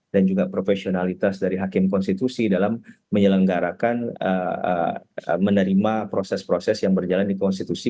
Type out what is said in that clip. dan juga profesionalitas dari hakim konstitusi dalam menyelenggarakan menerima proses proses yang berjalan di konstitusi